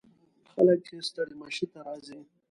خلک یې ستړي مشي ته راځي.